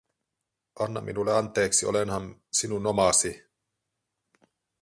Anna minulle anteeksi, olenhan sinun omasi.